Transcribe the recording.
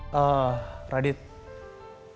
mas buat donde kita samen